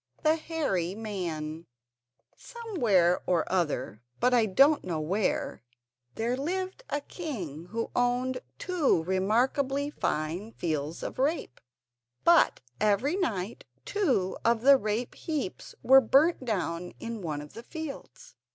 ] The Hairy Man Somewhere or other, but I don't know where, there lived a king who owned two remarkably fine fields of rape, but every night two of the rape heaps were burnt down in one of the fields.